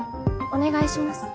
お願いします。